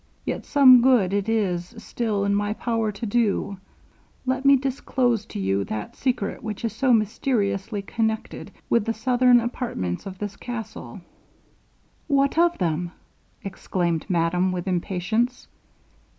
Yet some good it is still in my power to do; let me disclose to you that secret which is so mysteriously connected with the southern apartments of this castle.' 'What of them!' exclaimed madame, with impatience.